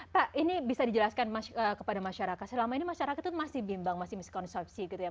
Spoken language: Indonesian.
pak ini bisa dijelaskan kepada masyarakat selama ini masyarakat itu masih bimbang masih miskonsepsi gitu ya